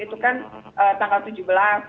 itu kan tanggal tujuh belas